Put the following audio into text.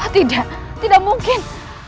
tidak tidak mungkin